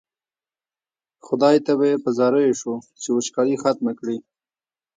خدای ته به یې په زاریو شو چې وچکالي ختمه کړي.